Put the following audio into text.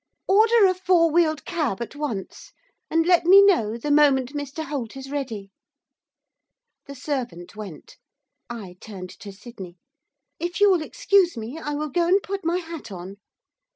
'Order a four wheeled cab at once. And let me know the moment Mr Holt is ready.' The servant went. I turned to Sydney. 'If you will excuse me, I will go and put my hat on.